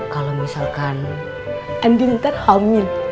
kalau misalkan andin ntar hamil